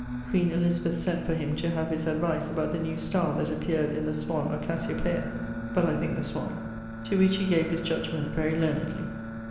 Queen Elizabeth sent for him to have his advice about the new star that appeared in the Swan or Cassiopeia (but I think the Swan), to which he gave his judgment very learnedly.